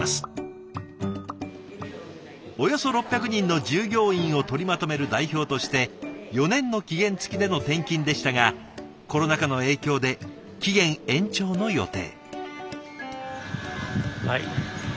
およそ６００人の従業員を取りまとめる代表として４年の期限付きでの転勤でしたがコロナ禍の影響で期限延長の予定。